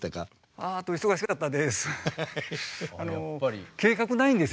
あ忙しかったです。